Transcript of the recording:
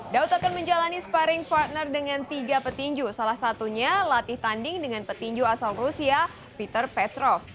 daud akan menjalani sparring partner dengan tiga petinju salah satunya latih tanding dengan petinju asal rusia peter petrov